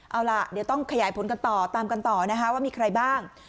เอาล่ะเดี๋ยวต้องขยายผลกันต่อตามกันต่อนะคะว่ามีใครบ้าง